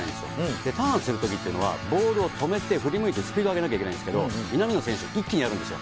で、ターンするときっていうのは、ボールを止めて振り向いてスピードを上げなきゃいけないんですけど、南野選手、一気にやるんですよ。